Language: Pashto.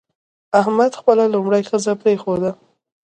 احمد خپله لومړۍ ښځه پرېښوده.